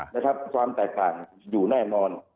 นะครับความแตกต่างอยู่แน่นอน